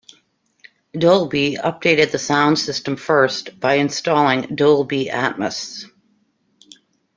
Dolby updated the sound system first by installing Dolby Atmos.